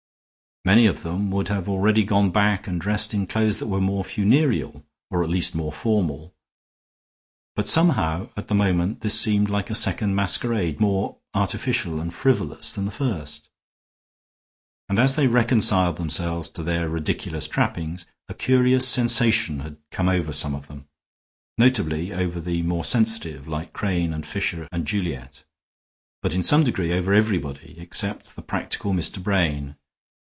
Many of them would have already gone back and dressed in clothes that were more funereal or at least more formal. But somehow at the moment this seemed like a second masquerade, more artificial and frivolous than the first. And as they reconciled themselves to their ridiculous trappings, a curious sensation had come over some of them, notably over the more sensitive, like Crane and Fisher and Juliet, but in some degree over everybody except the practical Mr. Brain.